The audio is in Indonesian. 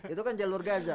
itu kan jalur gaza